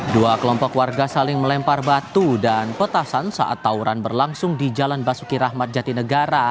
dua kelompok warga saling melempar batu dan petasan saat tawuran berlangsung di jalan basuki rahmat jatinegara